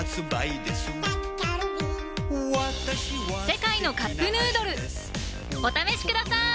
「世界のカップヌードル」お試しください！